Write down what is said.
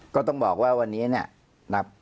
ก็ต้องบอกว่าวันนี้เนี่ย